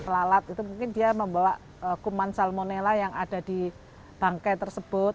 lalat itu mungkin dia membawa kuman salmonella yang ada di bangkai tersebut